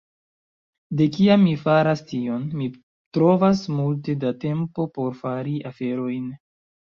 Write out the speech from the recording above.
De kiam mi faras tion, mi trovas multe da tempo por fari aferojn.